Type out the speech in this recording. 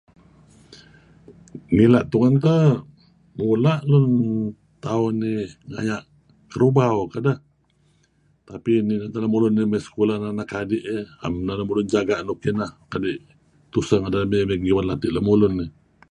Mula' tungen teh mula' lun tauh nih ngaya' Kerubau kedeh tetapi nih meto lemulun sekolah anak adi' dih. Naem lemulun jaga' kineh kadi' tuseh lemulun.